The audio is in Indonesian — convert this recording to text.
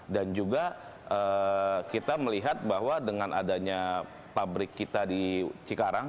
dan juga kita melihat bahwa dengan adanya pabrik kita di cikarang